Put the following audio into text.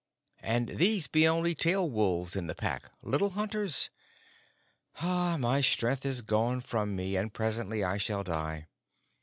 And these be only tail wolves in the Pack, little hunters! My strength is gone from me, and presently I shall die.